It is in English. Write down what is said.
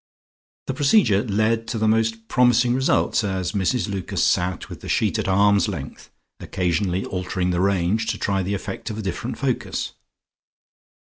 The procedure led to the most promising results as Mrs Lucas sat with the sheets at arm's length, occasionally altering the range to try the effect of a different focus.